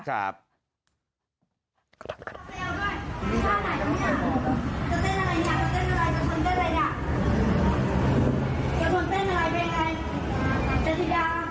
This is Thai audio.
เจ้าหน้าที่อยู่ตรงนี้กำลังจะปัด